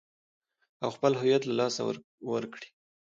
او خپل هويت له لاسه ور کړي .